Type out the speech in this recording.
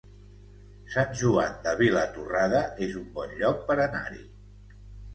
Sant Joan de Vilatorrada es un bon lloc per anar-hi